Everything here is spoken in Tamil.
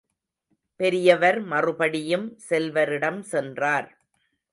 பெரியவர் மறுபடியும் செல்வரிடம் சென்றார்.